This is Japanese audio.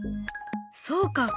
そうか。